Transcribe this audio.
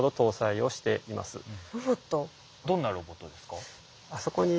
どんなロボットですか？